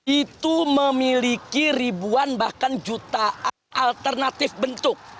itu memiliki ribuan bahkan jutaan alternatif bentuk